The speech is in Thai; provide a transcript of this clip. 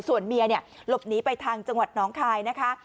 ส่วนเมียเนี่ยหลบหนีไปทางจังหวัดน้องคายนะคะ